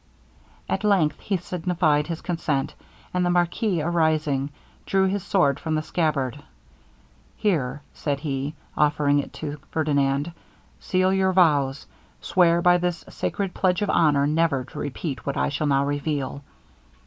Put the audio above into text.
At length he signified his consent, and the marquis arising, drew his sword from the scabbard. 'Here,' said he, offering it to Ferdinand, 'seal your vows swear by this sacred pledge of honor never to repeat what I shall now reveal.'